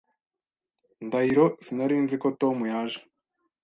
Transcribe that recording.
Ndahiro sinari nzi ko Tom yaje.